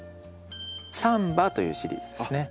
サンバというシリーズですね。